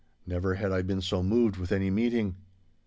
Never had I been so moved with any meeting.